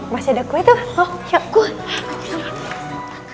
masih ada kue tuh